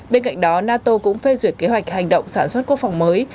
bên cạnh đó nato cũng phê duyệt kế hoạch hành động sản xuất quốc phòng mới